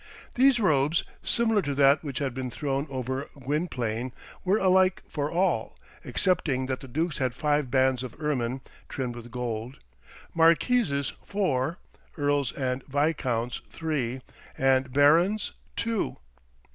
These robes, similar to that which had been thrown over Gwynplaine, were alike for all, excepting that the dukes had five bands of ermine, trimmed with gold; marquises, four; earls and viscounts, three; and barons, two.